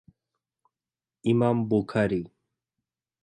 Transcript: Imam Bukhari